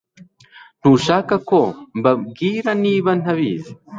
Ntushaka ko mbabwira niba ntabizi